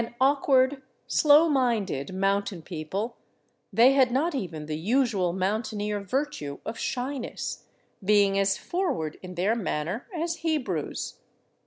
An awkward, slow minded, mountain people, they had not even the usual mountaineer virtue of shyness, being as forward in their manner as Hebrews.